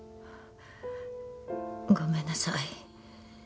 ごめんなさい。